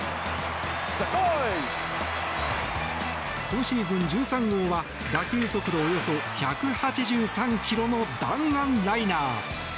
今シーズン１３号は打球速度およそ１８３ｋｍの弾丸ライナー。